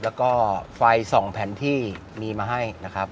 แล้วก็ไฟ๒แผ่นที่มีมาให้นะครับ